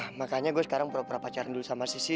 nah makanya gue sekarang perap perap pacaran dulu sama sissy